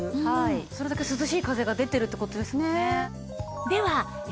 それだけ涼しい風が出てるって事ですもんね。